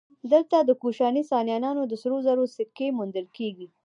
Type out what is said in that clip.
دلته د کوشاني ساسانیانو د سرو زرو سکې موندل کېږي